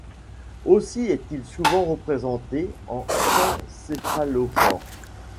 Aussi est-il souvent représenté en saint céphalophore.